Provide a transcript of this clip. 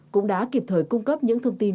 cũng đã kịp thời cung cấp những thông tin